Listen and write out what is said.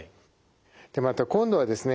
でまた今度はですね